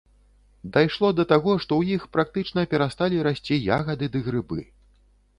Дайшло да таго, што ў іх практычна перасталі расці ягады ды грыбы.